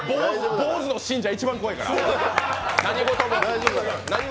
坊主の信者一番怖いから。